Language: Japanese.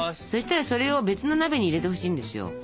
そしたらそれを別の鍋に入れてほしいんですよ。